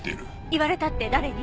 言われたって誰に！？